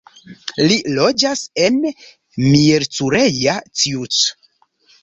Li loĝas en Miercurea Ciuc.